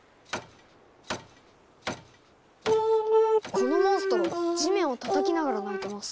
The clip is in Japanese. このモンストロ地面をたたきながら鳴いてます。